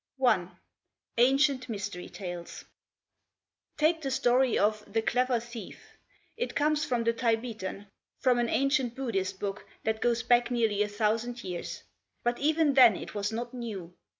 J. Ancient Mystery Tales Take the story of "The Clever Thief." It comes from the Tibetan, from an ancient Buddhist book that goes back nearly a thousand years. But even then it was not new.